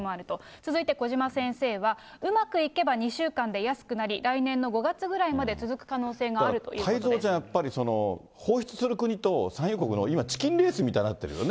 続いて、小嶌先生は、うまくいけば２週間で安くなり、来年の５月ぐらいまでは続く可能性があると太蔵ちゃん、やっぱり、放出する国と、産油国の今、チキンレースみたいになってるよね。